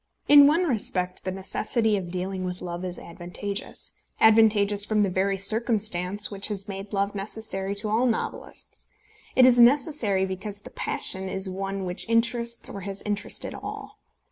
In one respect the necessity of dealing with love is advantageous, advantageous from the very circumstance which has made love necessary to all novelists. It is necessary because the passion is one which interests or has interested all.